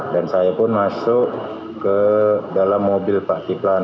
dan saya pun masuk ke dalam mobil pak kipran